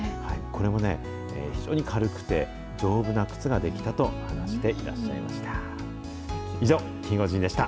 これもね、非常に軽くて、丈夫な靴が出来たと話していらっしゃいました。